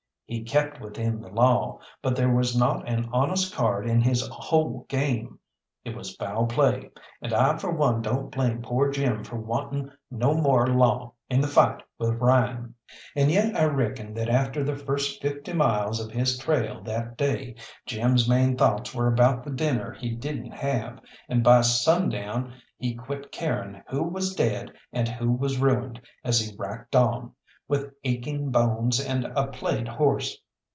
He kept within the law, but there was not an honest card in his whole game. It was foul play, and I for one don't blame poor Jim for wanting no more law in the fight with Ryan. And yet I reckon that after the first fifty miles of his trail that day Jim's main thoughts were about the dinner he didn't have, and by sundown he quit caring who was dead and who was ruined, as he racked on, with aching bones and a played horse.